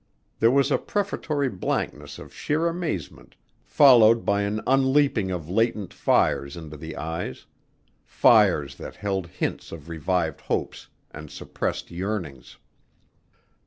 There was a prefatory blankness of sheer amazement followed by an upleaping of latent fires into the eyes; fires that held hints of revived hopes and suppressed yearnings.